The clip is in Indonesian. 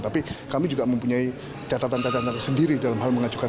tapi kami juga mempunyai catatan catatan tersendiri dalam hal mengajukan